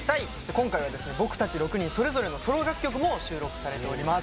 今回は僕たち６人それぞれのソロ楽曲も収録されております